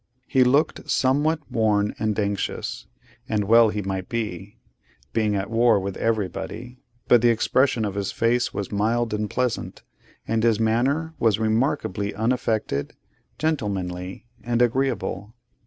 He looked somewhat worn and anxious, and well he might; being at war with everybody—but the expression of his face was mild and pleasant, and his manner was remarkably unaffected, gentlemanly, and agreeable.